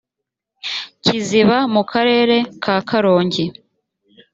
kiziba mu karere ka karongi